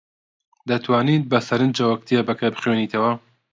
دەتوانیت بەسەرنجەوە کتێبەکە بخوێنیتەوە؟